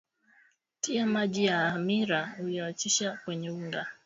tia maji ya hamira uliyochachusha kwenye unga